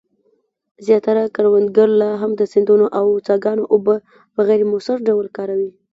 زیاتره کروندګر لا هم د سیندونو او څاګانو اوبه په غیر مؤثر ډول کاروي.